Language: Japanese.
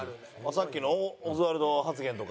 さっきのオズワルド発言とか？